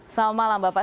selamat malam mbak putri